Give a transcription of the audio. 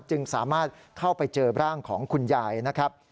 จึงสามารถเข้าไปเจอร่างของคุณยายนะครับ